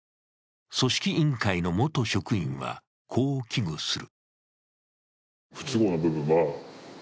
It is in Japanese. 組織委員会の元職員は、こう危惧する。